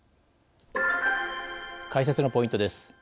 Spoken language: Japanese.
解説のポイントです。